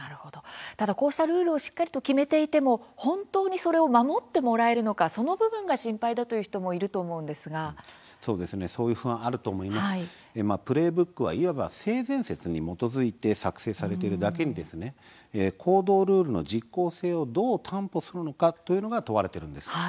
ただこうしたルールをしっかりと決めていても本当にそれを守ってもらえるのかその部分が心配だという人もプレーブックはいわば性善説に基づいて作成されているだけに行動ルールの実効性をどう担保するのか問われています。